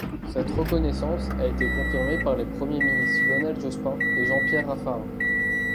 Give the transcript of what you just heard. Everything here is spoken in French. Cette reconnaissance a été confirmée par les Premiers ministres Lionel Jospin et Jean-Pierre Raffarin.